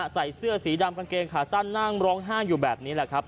ใส่เสื้อสีดำกางเกงขาสั้นนั่งร้องไห้อยู่แบบนี้แหละครับ